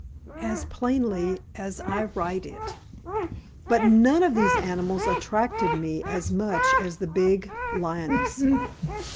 as plainly as I write it. But none of these animals attracted me as much as the big lioness.